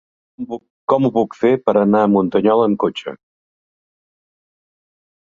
Com ho puc fer per anar a Muntanyola amb cotxe?